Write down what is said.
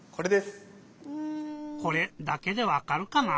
「これ」だけでわかるかな？